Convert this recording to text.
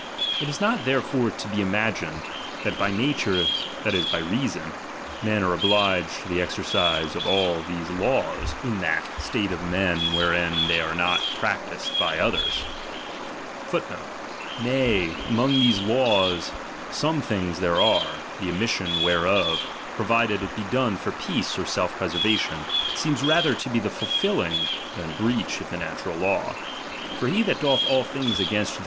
It is not therefore to be ima gined, that by nature, that is, by reason, men are ' obliged to the exercise of all these laws * in that of all these laws."} Nay, among these laws e tbiogs tlif re axe, the ornission whereoF, provided it be done ' peace or Helf preservHtion, seems rather to be the fulfilling, I than breach of the natural law. For he that doth all things against